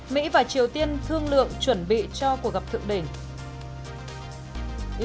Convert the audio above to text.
mỹ và triều tiên thương lượng chuẩn bị cho cuộc gặp thượng đỉnh